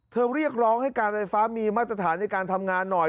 เรียกร้องให้การไฟฟ้ามีมาตรฐานในการทำงานหน่อย